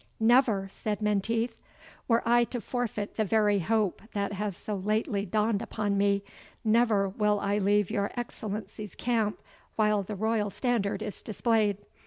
"Never!" said Menteith. "Were I to forfeit the very hope that has so lately dawned upon me, never will I leave your Excellency's camp while the royal standard is displayed.